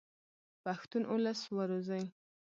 پښتون اولس و روزئ.